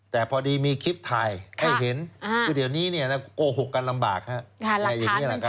แต่พอดีมีคลิปถ่ายให้เห็นโดยเดี๋ยวนี้โกหกกันลำบากค่ะนะครับแบบนี้แหละค่ะ